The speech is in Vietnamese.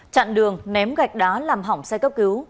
chặn đường ném gạch đá làm hỏng xe cấp cứu